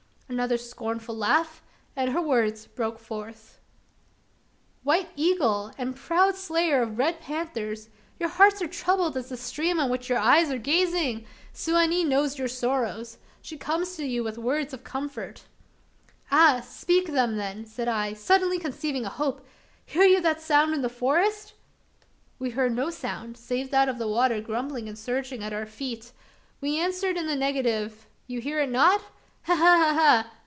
Another scornful laugh, and her words broke forth: "White Eagle! and proud slayer of red panthers! your hearts are troubled as the stream on which your eyes are gazing! Su wa nee knows your sorrows. She comes to you with words of comfort." "Ah! speak them then!" said I, suddenly conceiving a hope. "Hear you that sound in the forest?" We heard no sound, save that of the water grumbling and surging at our feet. We answered in the negative. "You hear it not? Ha, ha, ha!